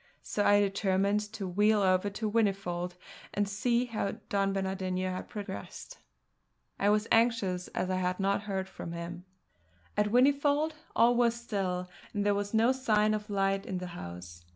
So I determined to wheel over to Whinnyfold and see how Don Bernardino had progressed. I was anxious, as I had not heard from him. At Whinnyfold all was still, and there was no sign of light in the house.